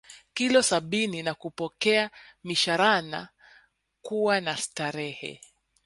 Kilo sabini na kupokea mishhaarana kuwa na starehe